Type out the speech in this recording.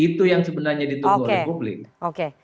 itu yang sebenarnya ditunggu oleh publik